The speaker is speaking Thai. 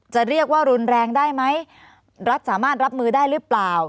จะเรียกว่ารุนแรงได้ไหมรัฐสามารถรับมือได้หรือเปล่า